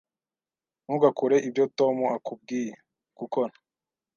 Ntugakore ibyo Tom akubwiye gukora.